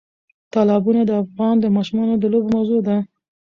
تالابونه د افغان ماشومانو د لوبو موضوع ده.